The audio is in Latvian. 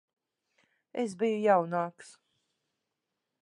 Es biju jaunāks.